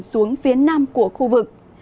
xuống phía nam của khu vực